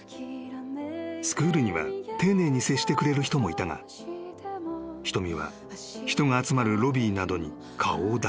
［スクールには丁寧に接してくれる人もいたがひとみは人が集まるロビーなどに顔を出さなくなった］